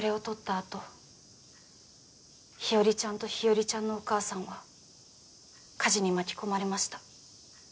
あと日和ちゃんと日和ちゃんのお母さんは火事に巻き込まれました。